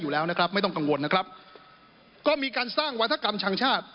อยู่แล้วนะครับไม่ต้องกังวลนะครับก็มีการสร้างวัฒกรรมทางชาติ